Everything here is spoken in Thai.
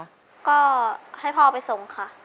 ก็ให้พ่อไปส่งค่ะ